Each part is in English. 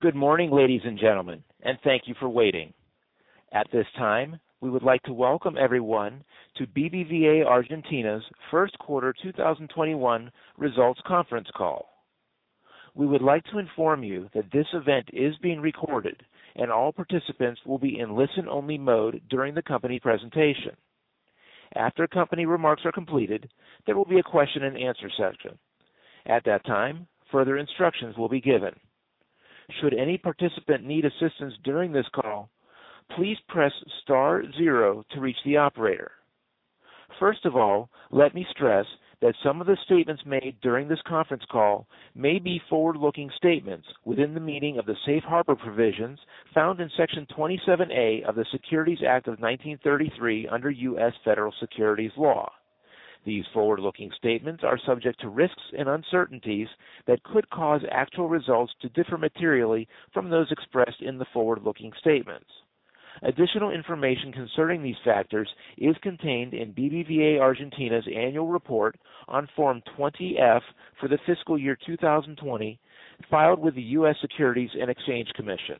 Good morning, ladies and gentlemen. Thank you for waiting. At this time, we would like to welcome everyone to BBVA Argentina's first quarter 2021 results conference call. We would like to inform you that this event is being recorded, and all participants will be in listen-only mode during the company presentation. After company remarks are completed, there will be a question-and-answer session. At that time, further instructions will be given. Should any participant need assistance during this call, please press star zero to reach the operator. First of all, let me stress that some of the statements made during this conference call may be forward-looking statements within the meaning of the safe harbor provisions found in Section 27A of the Securities Act of 1933 under U.S. federal securities law. These forward-looking statements are subject to risks and uncertainties that could cause actual results to differ materially from those expressed in the forward-looking statements. Additional information concerning these factors is contained in BBVA Argentina's annual report on Form 20-F for the fiscal year 2020, filed with the U.S. Securities and Exchange Commission.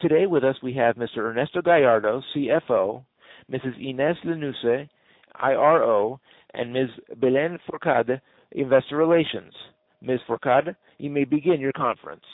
Today with us, we have Mr. Ernesto Gallardo, CFO, Mrs. Inés Lanusse, IRO, and Ms. Belén Fourcade, Investor Relations. Ms. Fourcade, you may begin your conference.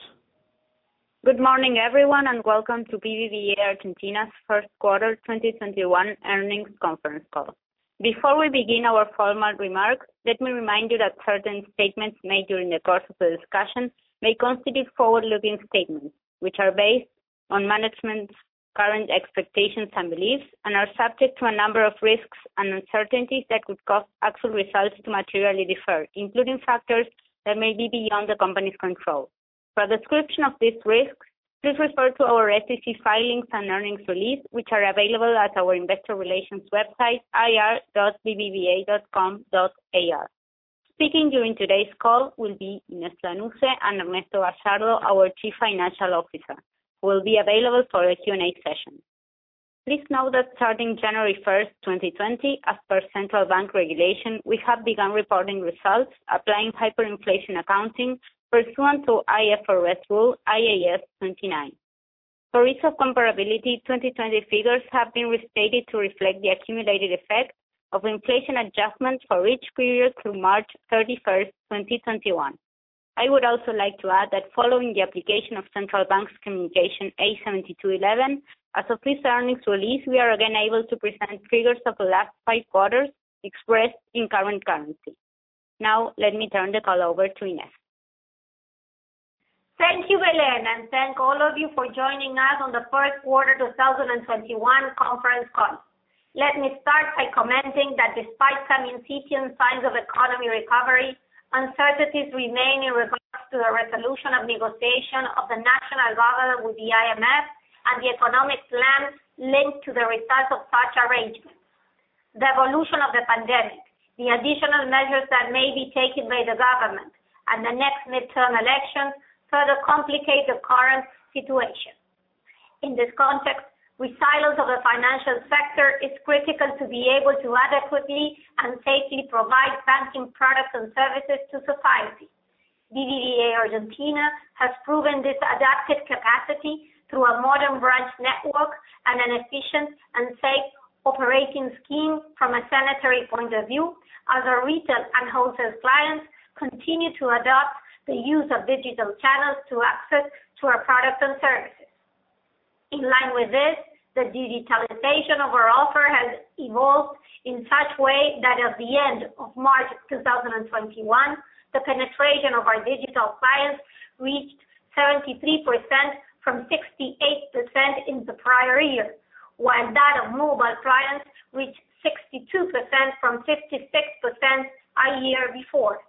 Good morning, everyone, and welcome to BBVA Argentina's first quarter 2021 earnings conference call. Before we begin our formal remarks, let me remind you that certain statements made during the course of the discussion may constitute forward-looking statements, which are based on management's current expectations and beliefs and are subject to a number of risks and uncertainties that could cause actual results to materially differ, including factors that may be beyond the company's control. For a description of these risks, please refer to our SEC filings and earnings release, which are available at our investor relations website, ir.bbva.com.ar. Speaking during today's call will be Inés Lanusse and Ernesto Gallardo, our Chief Financial Officer, who will be available for a Q&A session. Please note that starting January 1st, 2020, after Central Bank regulation, we have begun reporting results applying hyperinflation accounting pursuant to IFRS rule IAS 29. For reasons of comparability, 2020 figures have been restated to reflect the accumulated effect of inflation adjustments for each period through March 31st, 2021. I would also like to add that following the application of Central Bank's Communication A7211, as of this earnings release, we are again able to present figures of the last five quarters expressed in current currency. Let me turn the call over to Inés. Thank you, Belén, and thank all of you for joining us on the first quarter 2021 conference call. Let me start by commenting that despite some incipient signs of economic recovery, uncertainties remain in regard to the resolution of negotiation of the national government with the IMF and the economic plans linked to the results of such arrangements. The evolution of the pandemic, the additional measures that may be taken by the government, and the next midterm election further complicate the current situation. In this context, we feel as the financial sector, it's critical to be able to adequately and safely provide banking products and services to society. BBVA Argentina has proven this adaptive capacity through a modern branch network and an efficient and safe operating scheme from a sanitary point of view, as our retail and wholesale clients continue to adopt the use of digital channels to access to our products and services. In line with this, the digitalization of our offer has evolved in such way that at the end of March 2021, the penetration of our digital clients reached 73% from 68% in the prior year, while that of mobile clients reached 62% from 56% a year before.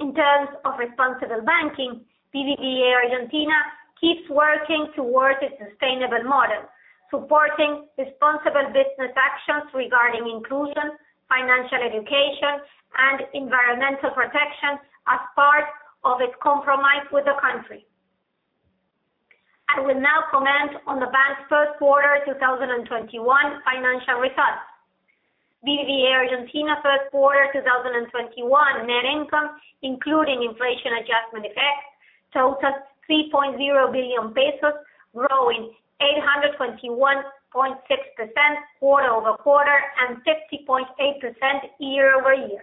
In terms of responsible banking, BBVA Argentina keeps working towards a sustainable model, supporting responsible business actions regarding inclusion, financial education, and environmental protection as part of its compromise with the country. I will now comment on the bank's first quarter 2021 financial results. BBVA Argentina first quarter 2021 net income, including inflation adjustment effects, totaled ARS 3.0 billion, growing 821.6% quarter-over-quarter and 50.8% year-over-year.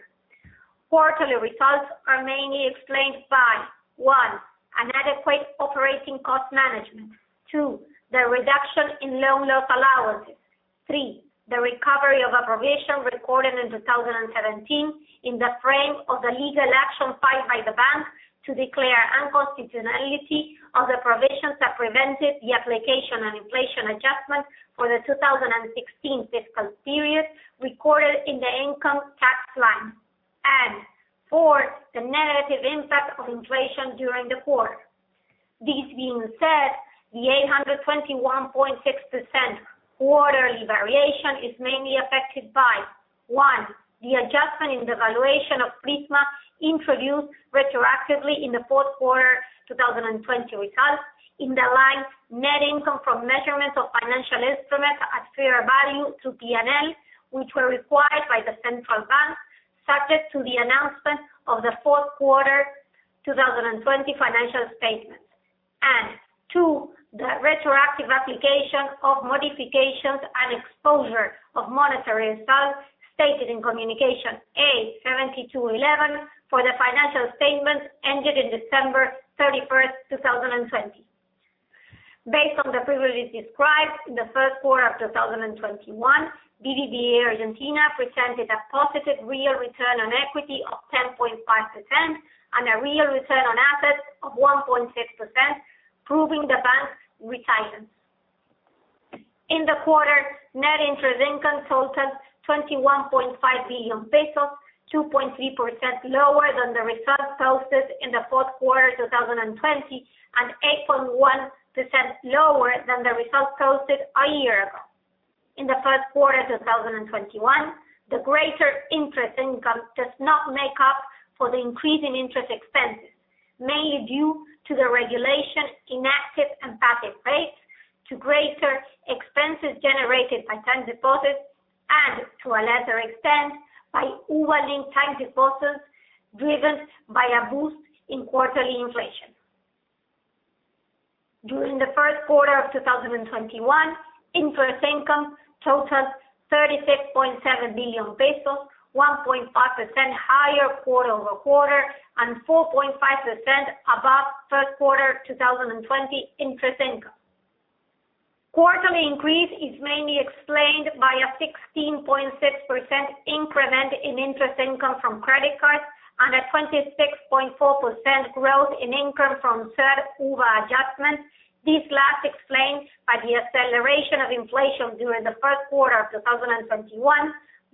Quarterly results are mainly explained by, one, an adequate operating cost management. Two, the reduction in loan loss allowances. Three, the recovery of a provision recorded in 2017 in the frame of the legal action filed by the bank to declare unconstitutionality of the provisions that prevented the application and inflation adjustment for the 2016 discount period recorded in the income tax line. Four, the negative impact of inflation during the quarter. This being said, the 821.6% quarterly variation is mainly affected by, one, the adjustment in the valuation of Prisma introduced retroactively in the fourth quarter 2020 results. In the lines net income from measurements of financial instruments at fair value to P&L, which were required by the Central Bank, subject to the announcement of the fourth quarter 2020 financial statements, and two, the retroactive application of modifications and exposure of monetary funds stated in Communication A7211 for the financial statements ended in December 31st, 2020. Based on the previously described, in the first quarter of 2021, BBVA Argentina presented a positive real return on equity of 10.5% and a real return on assets of 1.6%, proving the bank's resilience. In the quarter, net interest income totaled 21.5 billion pesos, 2.3% lower than the result posted in the fourth quarter 2020 and 8.1% lower than the result posted a year ago. In the first quarter 2021, the greater interest income does not make up for the increase in interest expenses, mainly due to the regulation in asset and passive rates to greater expenses generated by time deposits and, to a lesser extent, by UVA-linked time deposits driven by a boost in quarterly inflation. During the first quarter of 2021, interest income totaled 36.7 billion pesos, 1.5% higher quarter-over-quarter and 4.5% above third quarter 2020 interest income. Quarterly increase is mainly explained by a 16.6% increment in interest income from credit cards and a 26.4% growth in income from CER/UVA adjustments, this last explained by the acceleration of inflation during the first quarter of 2021,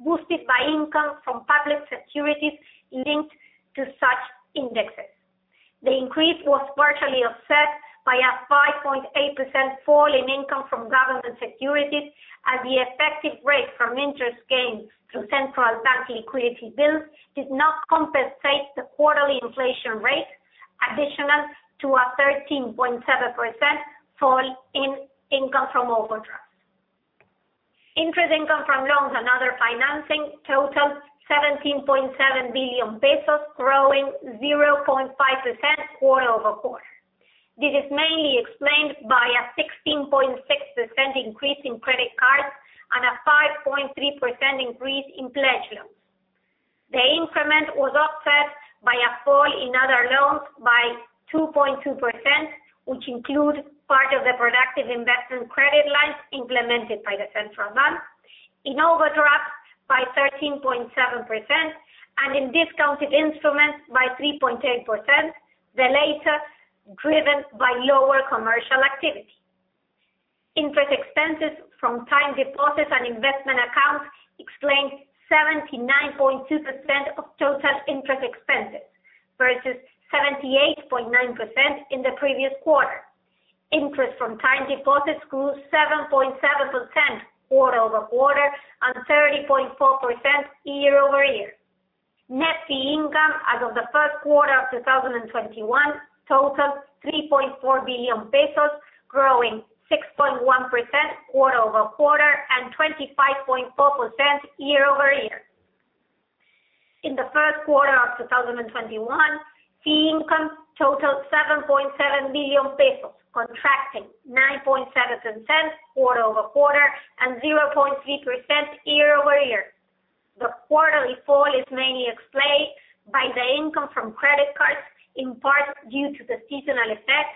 boosted by income from public securities linked to such indexes. The increase was partially offset by a 5.8% fall in income from government securities, and the effective rate from interest gained through Central Bank liquidity bills did not compensate the quarterly inflation rates, additional to a 13.7% fall in income from overdrafts. Interest income from loans and other financing totaled 17.7 billion pesos, growing 0.5% quarter-over-quarter. This is mainly explained by a 16.6% increase in credit cards and a 5.3% increase in credit loans. The increment was offset by a fall in other loans by 2.2%, which include part of the productive investment credit lines implemented by the Central Bank, in overdraft by 13.7%, and in discounted instruments by 3.8%, the latter driven by lower commercial activity. Interest expenses from time deposits and investment accounts explained 79.2% of total interest expenses, versus 78.9% in the previous quarter. Interest from time deposits grew 7.7% quarter-over-quarter and 30.4% year-over-year. Net fee income as of the first quarter of 2021 totaled ARS 3.4 billion, growing 6.1% quarter-over-quarter and 25.4% year-over-year. In the first quarter of 2021, fee income totaled 7.7 billion pesos, contracting 9.7% quarter-over-quarter and 0.3% year-over-year. The quarterly fall is mainly explained by the income from credit cards, in part due to the seasonal effect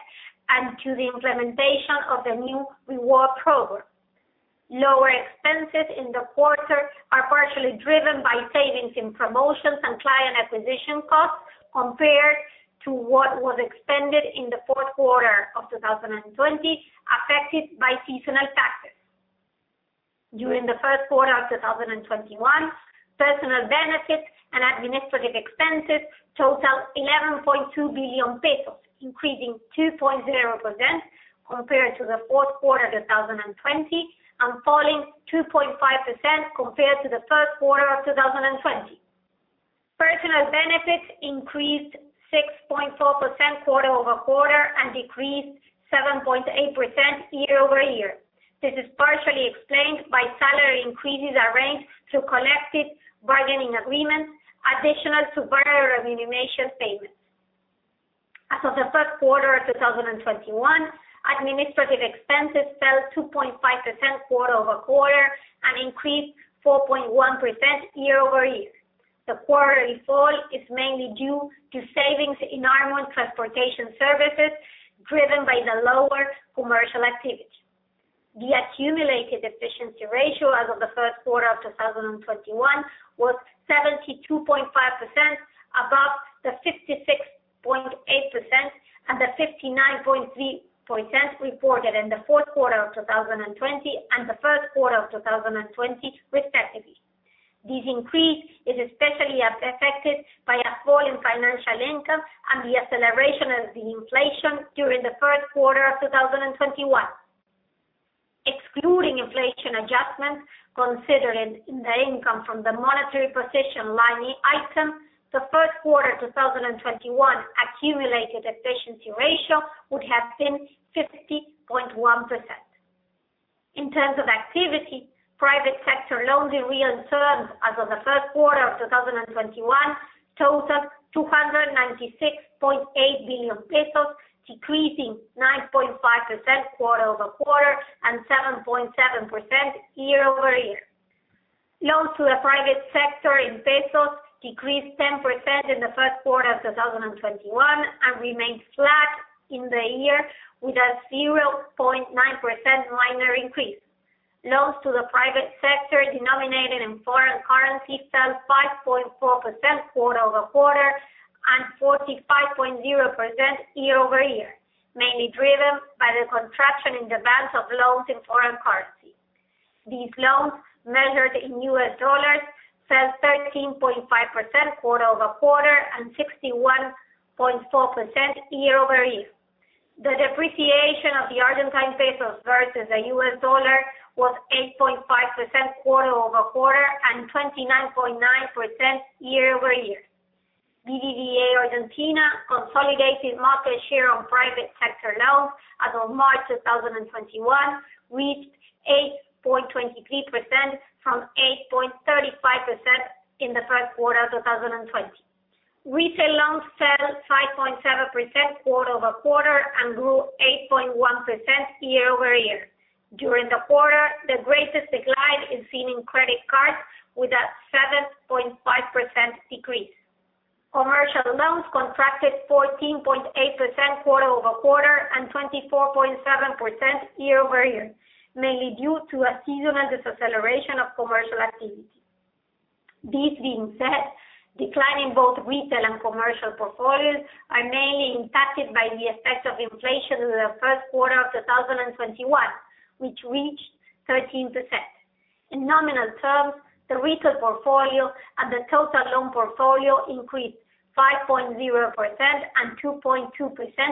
and to the implementation of the new reward program. Lower expenses in the quarter are partially driven by savings in promotions and client acquisition costs compared to what was expended in the fourth quarter of 2020, affected by seasonal factors. During the first quarter of 2021, personnel benefits and administrative expenses totaled 11.2 billion pesos, increasing 2.0% compared to the fourth quarter 2020 and falling 2.5% compared to the first quarter of 2020. Personnel benefits increased 6.4% quarter-over-quarter and decreased 7.8% year-over-year. This is partially explained by salary increases arranged through collective bargaining agreements additional to variable remuneration payments. As of the first quarter of 2021, administrative expenses fell 2.5% quarter-over-quarter and increased 4.1% year-over-year. The quarterly fall is mainly due to savings in armored transportation services driven by the lower commercial activity. The accumulated efficiency ratio as of the first quarter of 2021 was 72.5%, above the 66.8% and the 59.3% reported in the fourth quarter of 2020 and the first quarter of 2020, respectively. This increase is especially affected by a fall in financial income and the acceleration of inflation during the first quarter of 2021. Inflation adjustment considering the income from the monetary position money item, the first quarter 2021 accumulated efficiency ratio would have been 50.1%. In terms of activity, private sector loans in real terms as of the first quarter of 2021 total 296.8 billion pesos, decreasing 9.5% quarter-over-quarter and 7.7% year-over-year. Loans to the private sector in pesos decreased 10% in the first quarter of 2021 and remained flat in the year with a 0.9% minor increase. Loans to the private sector denominated in foreign currency fell 5.4% quarter-over-quarter and 45.0% year-over-year, mainly driven by the contraction in demands of loans in foreign currency. These loans, measured in US dollars, fell 13.5% quarter-over-quarter and 61.4% year-over-year. The depreciation of the Argentine peso versus the US dollar was 8.5% quarter-over-quarter and 29.9% year-over-year. BBVA Argentina consolidated market share on private sector loans as of March 2021 reached 8.23% from 8.35% in the first quarter of 2020. Retail loans fell 5.7% quarter-over-quarter and grew 8.1% year-over-year. During the quarter, the greatest decline is seen in credit cards with a 7.5% decrease. Commercial loans contracted 14.8% quarter-over-quarter and 24.7% year-over-year, mainly due to a seasonal deceleration of commercial activity. This being said, decline in both retail and commercial portfolios are mainly impacted by the effects of inflation in the first quarter of 2021, which reached 13%. In nominal terms, the retail portfolio and the total loan portfolio increased 5.0% and 2.2%,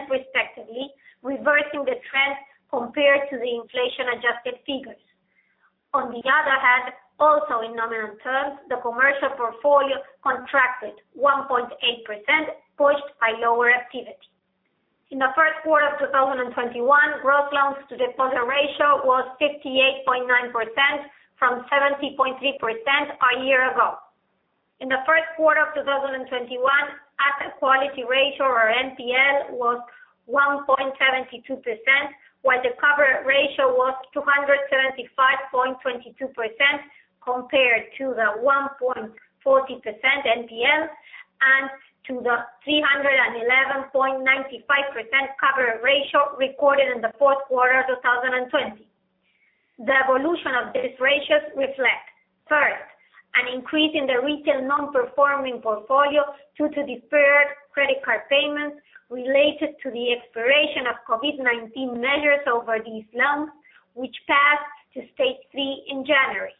respectively, reversing the trend compared to the inflation-adjusted figures. On the other hand, also in nominal terms, the commercial portfolio contracted 1.8%, pushed by lower activity. In the first quarter of 2021, gross loans to deposit ratio was 58.9% from 70.3% a year ago. In the first quarter of 2021, asset quality ratio or NPL was 1.72%, while the coverage ratio was 275.22% compared to the 1.40% NPLs and to the 311.95% coverage ratio recorded in the fourth quarter of 2020. The evolution of these ratios reflects first, an increase in the retail non-performing portfolio due to deferred credit card payments related to the expiration of COVID-19 measures over these loans, which passed to Stage 3 in January.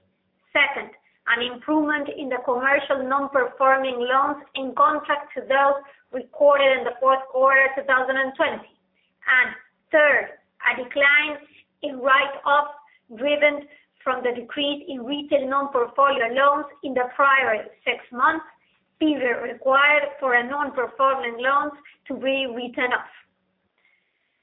Second, an improvement in the commercial non-performing loans in contrast to those recorded in the fourth quarter 2020. Third, a decline in write-offs driven from the decrease in retail non-portfolio loans in the prior six months, period required for a non-performing loan to be written off.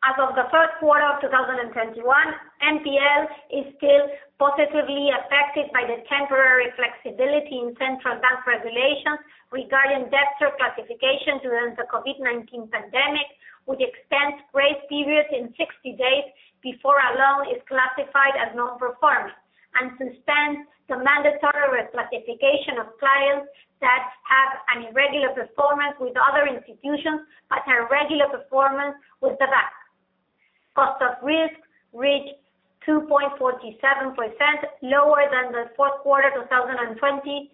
As of the first quarter of 2021, NPL is still positively affected by the temporary flexibility in Central Bank regulations regarding debt reclassification during the COVID-19 pandemic, which extends grace periods in 60 days before a loan is classified as non-performing and suspends the mandatory reclassification of clients that have an irregular performance with other institutions but a regular performance with the bank. Cost of risk reached 2.47%, lower than the fourth quarter 2020, 4.99%.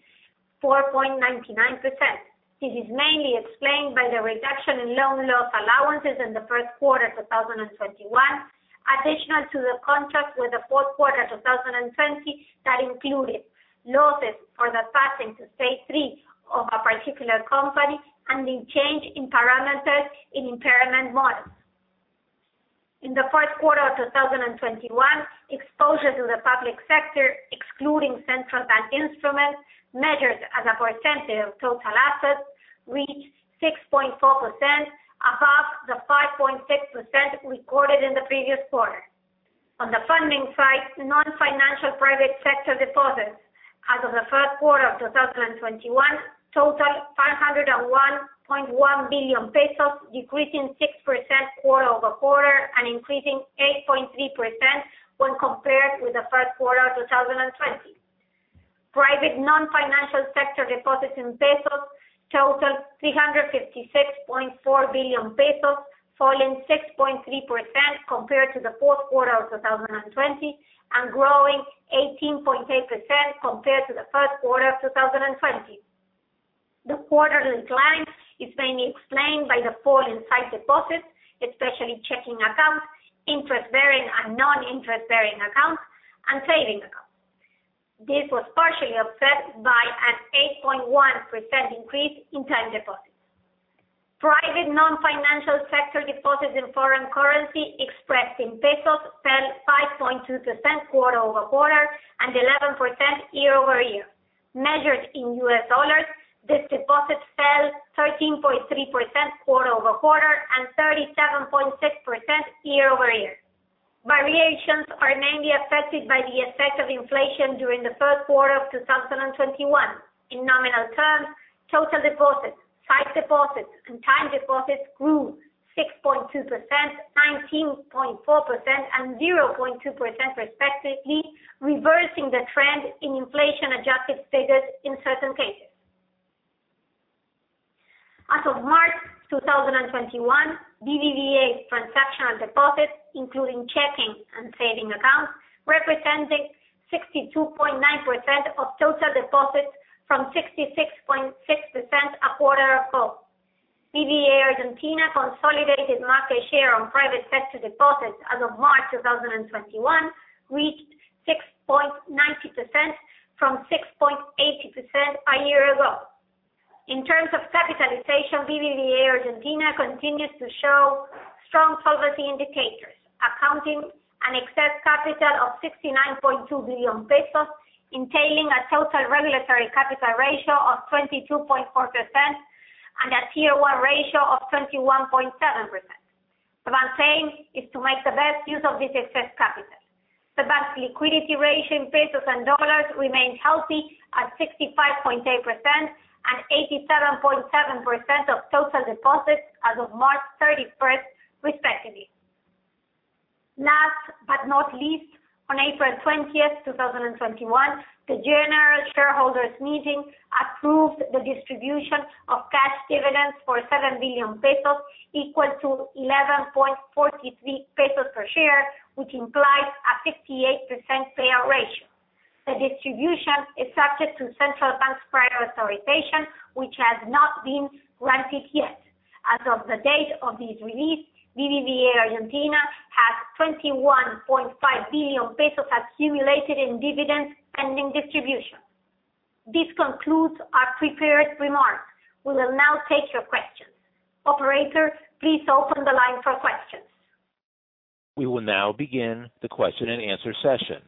It is mainly explained by the reduction in loan loss allowances in the first quarter 2021, additional to the contrast with the fourth quarter 2020 that included losses for the passing to Stage 3 of a particular company and the change in parameters in impairment models. In the first quarter of 2021, exposure to the public sector, excluding Central Bank instruments, measured as a percentage of total assets, reached 6.4%, above the 5.6% recorded in the previous quarter. On the funding side, non-financial private sector deposits as of the first quarter of 2021 total 501.1 billion pesos, decreasing 6% quarter-over-quarter and increasing 8.3% when compared with the first quarter of 2020. Private non-financial sector deposits in pesos totaled 356.4 billion pesos, falling 6.3% compared to the fourth quarter of 2020 and growing 18.8% compared to the first quarter of 2020. The quarterly decline is mainly explained by the fall in sight deposits, especially checking accounts, interest-bearing and non-interest-bearing accounts, and savings accounts. This was partially offset by an 8.1% increase in time deposits. Private non-financial sector deposits in foreign currency expressed in pesos fell 5.2% quarter-over-quarter and 11% year-over-year. Measured in US dollars, this deposit fell 13.3% quarter-over-quarter and 37.6% year-over-year. Variations are mainly affected by the effect of inflation during the first quarter of 2021. In nominal terms, total deposits, sight deposits, and time deposits grew 6.2%, 19.4%, and 0.2% respectively, reversing the trend in inflation-adjusted figures in certain cases. As of March 2021, BBVA's transactional deposits, including checking and saving accounts, represented 62.9% of total deposits from 66.6% a quarter ago. BBVA Argentina consolidated market share on private sector deposits as of March 2021 reached 6.90% from 6.80% a year ago. In terms of capitalization, BBVA Argentina continues to show strong solvency indicators, accounting an excess capital of 69.2 billion pesos, entailing a total regulatory capital ratio of 22.4% and a Tier 1 ratio of 21.7%. The bank's aim is to make the best use of this excess capital. The bank's liquidity ratio in pesos and dollars remains healthy at 65.8% and 87.7% of total deposits as of March 31st, respectively. Last but not least, on April 20th, 2021, the general shareholders' meeting approved the distribution of cash dividends for 7 billion pesos, equal to 11.43 pesos per share, which implies a 58% payout ratio. The distribution is subject to Central Bank's prior authorization, which has not been granted yet. As of the date of this release, BBVA Argentina has 21.5 billion pesos accumulated in dividends pending distribution. This concludes our prepared remarks. We will now take your questions. Operator, please open the line for questions. We will now begin the question-and-answer session.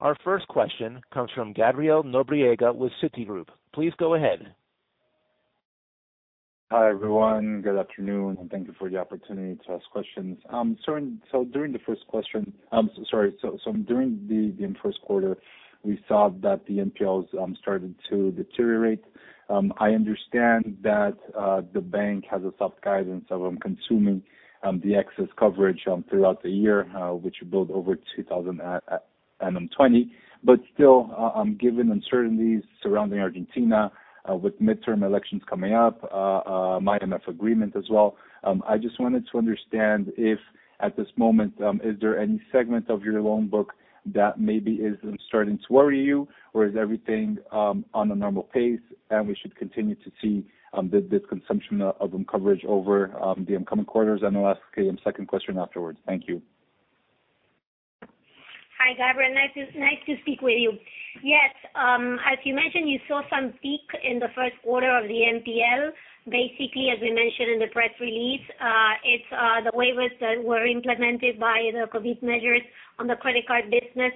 Our first question comes from Gabriel da Nóbrega with Citigroup. Please go ahead. Hi, everyone. Good afternoon and thank you for the opportunity to ask questions. During the first quarter, we saw that the NPLs started to deteriorate. I understand that the bank has a soft guidance of consuming the excess coverage throughout the year, which you built over 2020. Still, given uncertainties surrounding Argentina with midterm elections coming up, IMF agreement as well, I just wanted to understand if, at this moment, is there any segment of your loan book that maybe is starting to worry you, or is everything on a normal pace, and we should continue to see the consumption of coverage over the upcoming quarters? I'll ask a second question afterward. Thank you. Hi, Gabriel. Nice to speak with you. Yes, as you mentioned, you saw some peak in the first quarter of the NPL. Basically, as we mentioned in the press release, it's the waivers that were implemented by the COVID measures on the credit card business.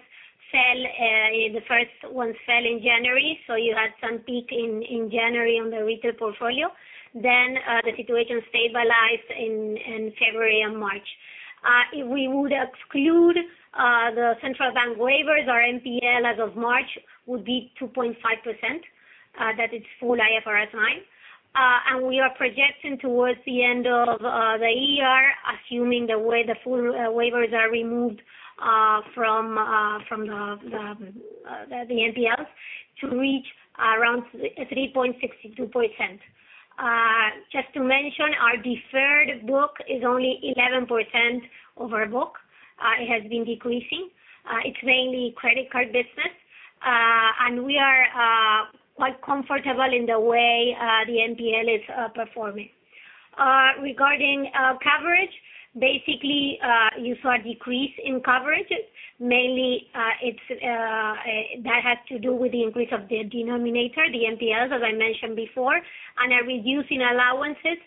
The first one fell in January you had some peak in January on the retail portfolio. The situation stabilized in February and March. If we would exclude the Central Bank waivers, our NPL as of March would be 2.5%. That is full IFRS 9. We are projecting towards the end of the year, assuming the full waivers are removed from the NPLs, to reach around 3.62%. Just to mention, our deferred book is only 11% of our book. It has been decreasing. It's mainly credit card business. We are quite comfortable in the way the NPL is performing. Regarding coverage, basically, you saw a decrease in coverage. Mainly, that had to do with the increase of the denominator, the NPLs, as I mentioned before, and a reducing in allowances.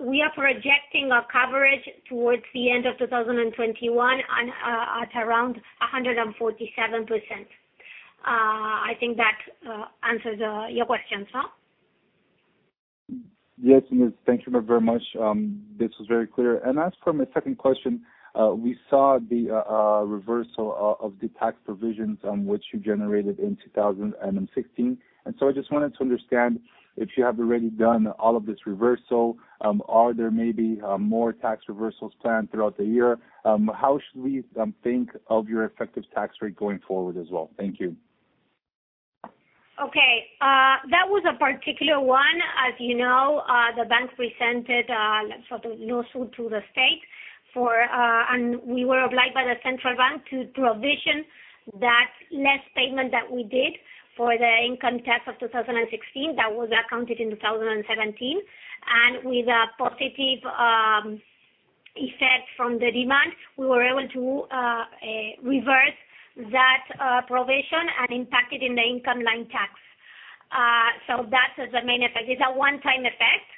We are projecting a coverage towards the end of 2021 at around 147%. I think that answers your question. No? Yes, it is. Thank you very much. This was very clear. As for my second question, we saw the reversal of the tax provisions on what you generated in 2016. I just wanted to understand if you have already done all of this reversal. Are there may be more tax reversals planned throughout the year? How should we think of your effective tax rate going forward as well? Thank you. That was a particular one. As you know, the bank presented a lawsuit to the state, we were obliged by the Central Bank to provision that less payment that we did for the income tax of 2016 that was accounted in 2017. With a positive effect from the demand, we were able to reverse that provision and impact it in the income tax line. That is the main effect. It's a one-time effect,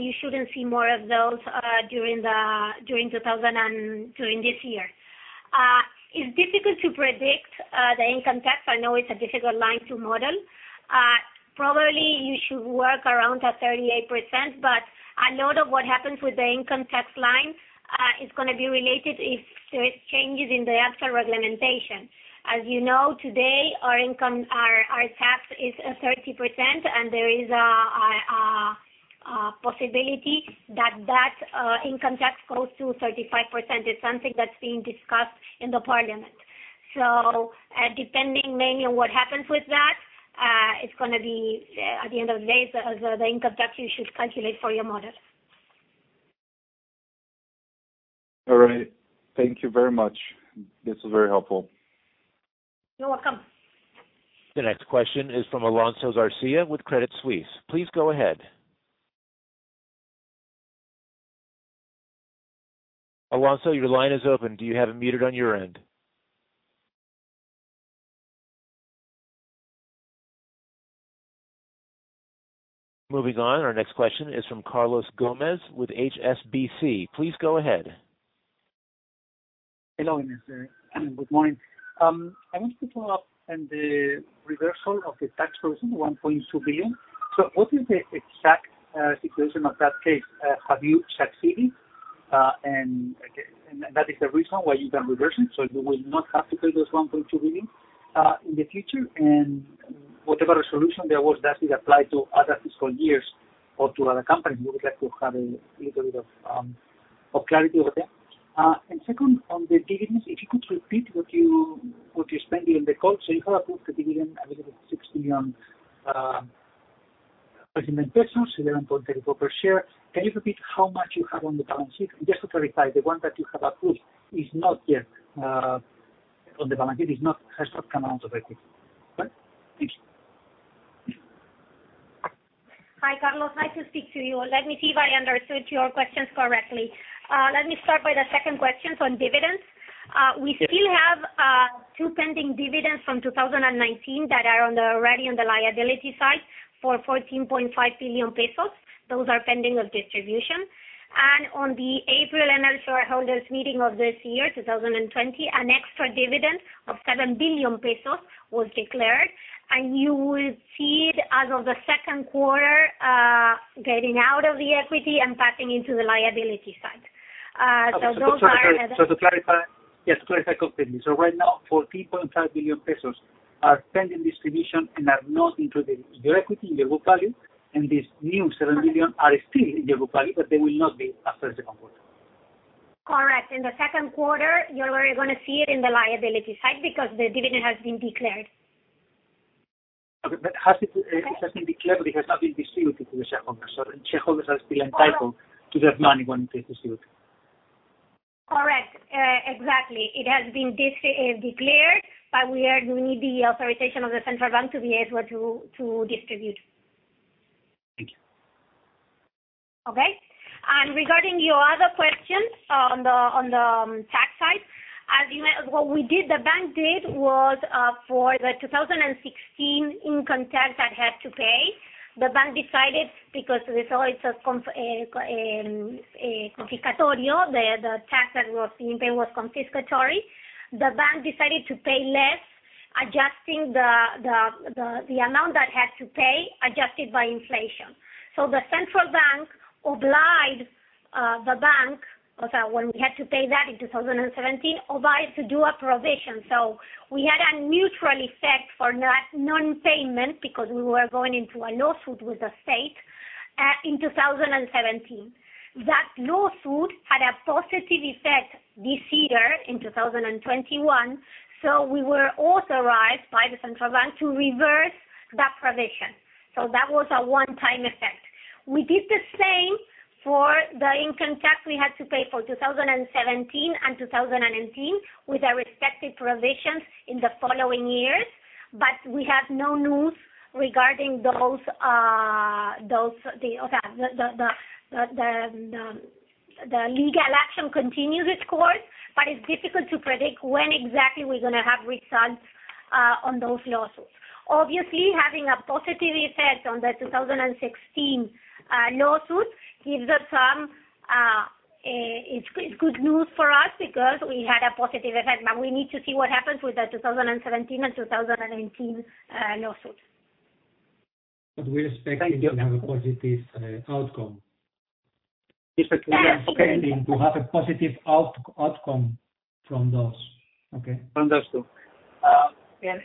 you shouldn't see more of those during this year. It's difficult to predict the income tax. I know it's a difficult line to model. Probably, it should work around that 38%, a lot of what happens with the income tax line is going to be related to changes in the tax regulation. As you know, today, our tax is at 30%, and there is a possibility that income tax goes to 35%. It's something that's being discussed in the parliament. Depending mainly on what happens with that, at the end of the day, the income tax issue should continue for your models. All right. Thank you very much. This was very helpful. You're welcome. The next question is from Alonso Garcia with Credit Suisse. Please go ahead. Alonso, your line is open. Do you have me muted on your end? Moving on. Our next question is from Carlos Gomez with HSBC. Please go ahead. Hello, Inés. Good morning. I want to follow up on the reversal of the tax lawsuit, 1.2 billion. What is the exact situation of that case? Have you succeeded? That is the reason why you done reversion, so you will not have to pay those 1.2 billion in the future, and whatever solution there was that will apply to other fiscal years or to other companies, we would like to have a little bit of clarity over there. Second, on the dividends, if you could repeat what you're saying in the call, so you have approved the dividend of ARS 16 on augmentations, 11.30 per share. Can you repeat how much you have on the balance sheet? Just to clarify, the one that you have approved is not yet on the balance sheet, is not a certain amount of equity, correct? Hi, Carlos. Nice to speak to you. Let me see if I understood your questions correctly. Let me start with the second question on dividends. We still have two pending dividends from 2019 that are already on the liability side for 14.5 billion pesos. Those are pending of distribution. On the April annual shareholders meeting of this year, 2020, an extra dividend of 7 billion pesos was declared, and you will see it as of the second quarter getting out of the equity and passing into the liability side. To clarify, just to clarify completely. Right now, 14.5 billion pesos are pending distribution and are not included in the equity book value, and this new 7 billion are still in the book value, but they will not be after the second quarter. Correct. In the second quarter, you're already going to see it in the liability side because the dividend has been declared. Okay. It has been declared because it has been distributed to the shareholders. Shareholders has been entitled to that money once they distribute. Correct. Exactly. It has been declared, but we need the authorization of the Central Bank to be able to distribute. Thank you. Okay. Regarding your other question on the tax side, what the bank did was for the 2016 income tax that it had to pay, the bank decided because we saw it's the tax that was being paid was confiscatory, the bank decided to pay less, adjusting the amount that it had to pay, adjusted by inflation. The Central Bank obliged the bank, when we had to pay that in 2017, to do a provision. We had a neutral effect for non-payment because we were going into a lawsuit with the state in 2017. That lawsuit had a positive effect this year in 2021, we were authorized by the Central Bank to reverse that provision. That was a one-time effect. We did the same for the income tax we had to pay for 2017 and 2019 with their respective provisions in the following years, but we have no news regarding those. The legal action continues, of course, but it's difficult to predict when exactly we're going to have results on those lawsuits. Obviously, having a positive effect on the 2016 lawsuit is good news for us because we had a positive effect, but we need to see what happens with the 2017 and 2019 lawsuits. Thank you. We're expecting to have a positive outcome. Difficult to- Expecting to have a positive outcome from those. Okay. From those two. Again,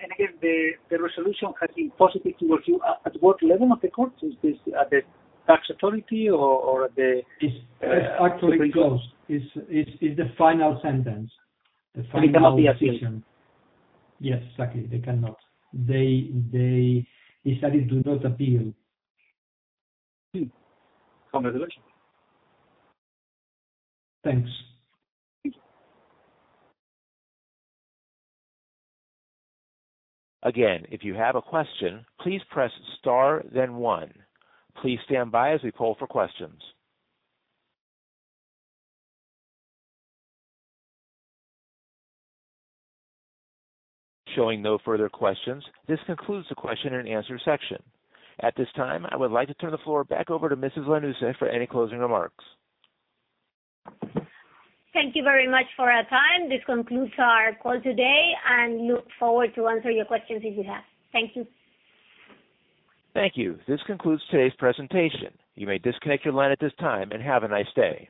the resolution has been positive towards you at what level of the court? Is this at the tax authority or the- It's actually closed. It's the final sentence, the final decision. It cannot be appealed. Yes, exactly. They cannot. They decided to not appeal. Thank you. Congratulations. Thanks. Thank you. Again, if you have a question, please press star then one. This concludes the question-and-answer section. At this time, I would like to turn the floor back over to Mrs. Lanusse for any closing remarks. Thank you very much for your time. This concludes our call today and look forward to answering your questions if you have. Thank you. Thank you. This concludes today's presentation. You may disconnect your line at this time, and have a nice day.